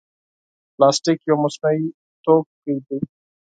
پلاستيک یو مصنوعي توکي دی.